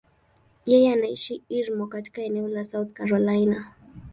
Yeye anaishi Irmo, katika eneo la South Carolina.